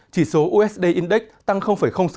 chỉ số usd index tăng